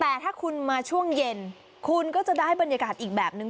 แต่ถ้าคุณมาช่วงเย็นคุณก็จะได้บรรยากาศอีกแบบนึง